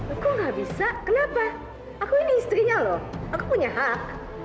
engkau gak bisa kenapa aku ini istrinya loh aku punya hak